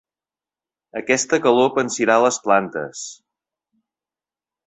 Aquesta calor pansirà les plantes.